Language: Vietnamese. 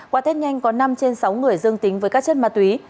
qua thết nhanh có năm trên sáu người dương tính với các chân ma túy